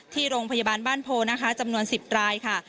ที่โรงพยาบาลบ้านโพนะคะจำนวน๑๐รายค่ะ